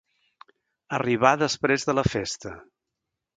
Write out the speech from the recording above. Arribar després de la festa.